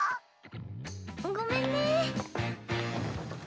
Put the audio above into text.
ごめんね。